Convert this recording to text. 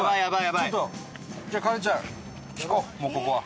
じゃあ、カレンちゃん聞こう、もう、ここは。